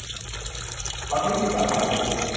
เขาใช้วิธีการถ่ายรูป